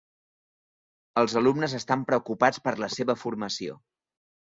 Els alumnes estan preocupats per la seva formació.